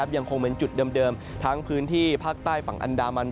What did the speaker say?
ยังคงเป็นจุดเดิมทั้งพื้นที่ภาคใต้ฝั่งอันดามัน